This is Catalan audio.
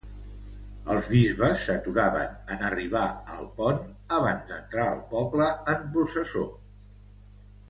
Els bisbes s'aturaven en arribar al pont abans d'entrar al poble en processó.